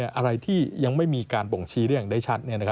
อะไรที่ยังไม่มีการบ่งชี้ได้อย่างได้ชัด